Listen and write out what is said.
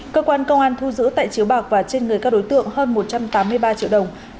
cơ quan công an thu giữ tại chiếu bạc và trên người các đối tượng hơn một trăm tám mươi ba triệu đồng